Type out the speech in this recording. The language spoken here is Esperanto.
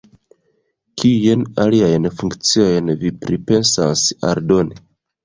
Kiujn aliajn funkciojn vi pripensas aldoni?